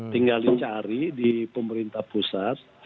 tinggal dicari di pemerintah pusat